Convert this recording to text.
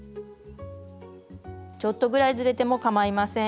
ちょっとぐらいずれてもかまいません。